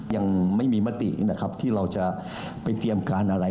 ยังไม่มีมตินะครับที่เราจะไปเตรียมการอะไร